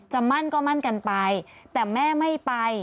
มั่นก็มั่นกันไปแต่แม่ไม่ไป